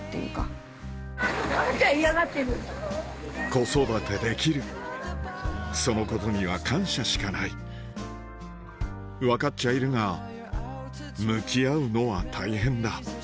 子育てできるそのことには感謝しかない分かっちゃいるが向き合うのは大変だ